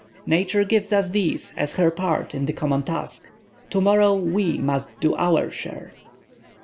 Nature gives us these as her part in the common task. To morrow we must do our share!"